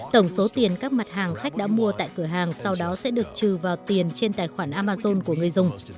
tổng số tiền các mặt hàng khách đã mua tại cửa hàng sau đó sẽ được trừ vào tiền trên tài khoản amazon của người dùng